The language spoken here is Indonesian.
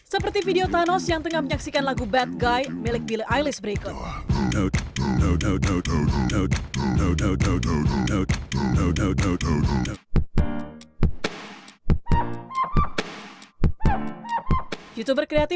seperti video thanos yang tengah menyaksikan lagu bad guy milik billy ilis berikut